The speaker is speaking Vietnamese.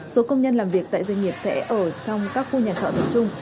số công nhân làm việc tại doanh nghiệp sẽ ở trong các khu nhà trọ tập trung